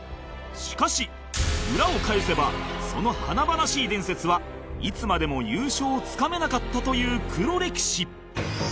しかし裏を返せばその華々しい伝説はいつまでも優勝をつかめなかったという黒歴史